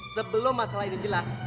sebelum masalah ini jelas